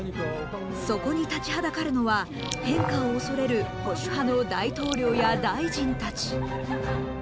そこに立ちはだかるのは変化を恐れる保守派の大統領や大臣たち。